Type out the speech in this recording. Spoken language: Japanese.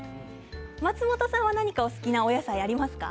松本さんは何かお好きなお野菜ありますか？